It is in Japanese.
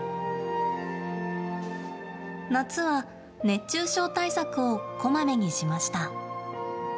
夏は熱中症対策をこまめにしました。